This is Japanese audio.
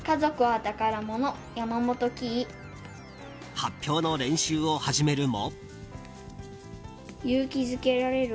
発表の練習を始めるも。